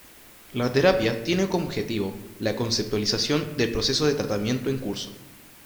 La terapia tiene como objetivo, la conceptualización del proceso de tratamiento en curso.